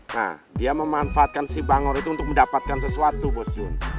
nah dia memanfaatkan si bangor itu untuk mendapatkan sesuatu bos jun